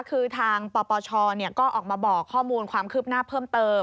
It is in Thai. คือทางปปชก็ออกมาบอกข้อมูลความคืบหน้าเพิ่มเติม